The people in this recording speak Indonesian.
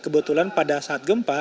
kebetulan pada saat gempa